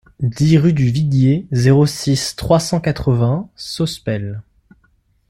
dix rue du Viguier, zéro six, trois cent quatre-vingts Sospel